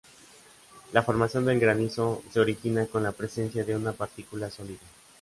La formación del granizo se origina con la presencia de una partícula sólida.